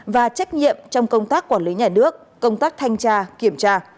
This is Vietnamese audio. và trách nhiệm trong công tác quản lý nhà nước công tác thanh tra kiểm tra